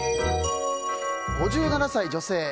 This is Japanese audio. ５７歳、女性。